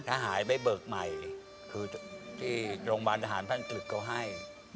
ถ้าหายไปเบิกใหม่คือที่โรงพยาบาลทหารท่านตรึกเขาให้